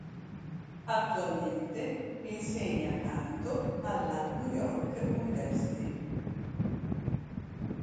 Attualmente insegna canto alla New York University.